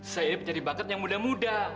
saya ini pencari bakat yang muda muda